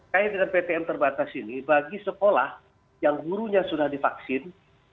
kait dengan ptm terbatas ini bagi sekolah yang gurunya sudah divaksin